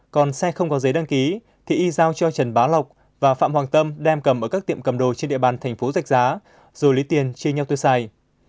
còn xe không có giấy đăng ký thì y giao cho trần bá lộc và phạm hoàng tâm đem cầm ở các tiệm cầm đồ trên địa bàn thành phố rạch giá rồi lấy tiền chia nhau tiêu xài